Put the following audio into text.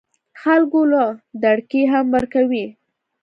خلکو له دړکې هم ورکوي